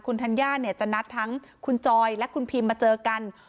คุณธัญญาเนี่ยจะนัดทั้งคุณจอยและคุณพิมมาเจอกัน